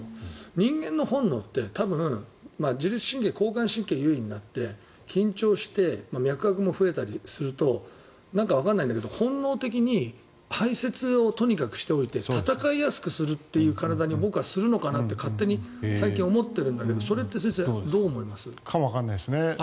人間の本能って多分自律神経、交感神経が優位になって緊張して、脈拍も増えたりするとなんかわかんないんだけど本能的に排せつをとにかくしておいて戦いやすくするという体に僕はするのかなって勝手に最近思っているんだけどかもわからないですね。